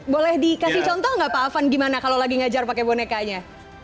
boleh dikasih contoh nggak pak afan gimana kalau lagi ngajar pakai bonekanya